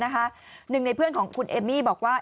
หนึ่งในเพื่อนของคุณเอมมี่บอกว่า